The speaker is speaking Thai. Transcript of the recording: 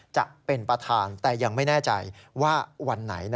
จะเป็นประธานแต่ยังไม่แน่ใจว่าวันไหน